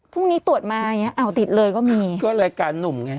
พรุ่งนี้ตรวจมาอย่างเงี้อ้าวติดเลยก็มีก็รายการหนุ่มไง